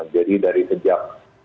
jadi dari sejak